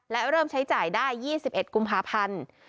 และเริ่มใช้จ่ายได้๒๑กุมภาพันธ์